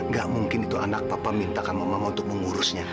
gak mungkin itu anak papa minta sama mama untuk mengurusnya